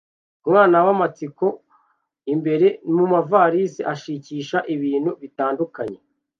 Umwana wamatsiko imbere mumavalisi ashakisha ibintu bitandukanye